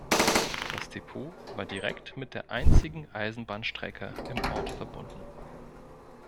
Das Depot war direkt mit der einzigen Eisenbahnstrecke im Ort verbunden.